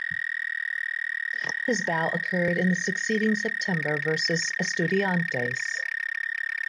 His bow occurred in the succeeding September versus Estudiantes.